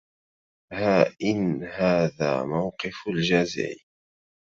ها إن هذا موقف الجازع